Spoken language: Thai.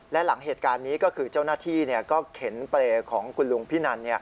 และหลังเหตุการณ์นี้ก็คือเจ้าหน้าที่ก็เข็นเปรย์ของคุณลุงพินัน